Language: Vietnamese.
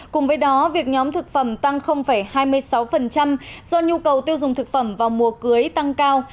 cùng với đó việc nhóm thực phẩm tăng hai mươi sáu do nhu cầu tiêu dùng thực phẩm vào mùa cưới tăng cao